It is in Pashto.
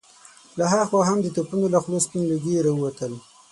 له هاخوا هم د توپونو له خولو سپين لوګي را ووتل.